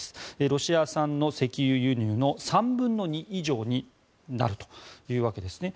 ロシア産の石油輸入の３分の２以上になるというわけですね。